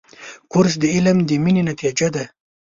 کورس د علم د مینې نتیجه ده.